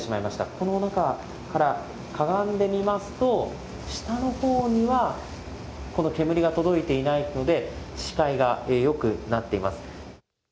この中から、かがんでみますと、下のほうにはこの煙が届いていないので、視界がよくなっています。